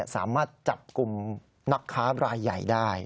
สามารถจับกลุ่มนักค้ารายใหญ่ได้